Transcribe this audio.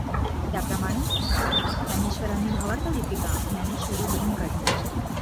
त्याप्रमाणे ज्ञानेश्वरांनी भावार्थदीपिका ज्ञानेश्वरी लिहून काढली.